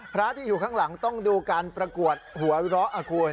พระที่อยู่ข้างหลังต้องดูการประกวดหัวเราะคุณ